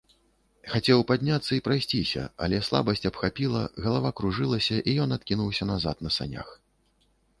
Хацеў падняцца і прайсціся, але слабасць абхапіла, галава кружылася, ён адкінуўся назад на санях.